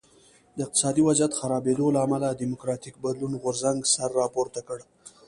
د اقتصادي وضعیت خرابېدو له امله د ډیموکراټیک بدلون غورځنګ سر راپورته کړ.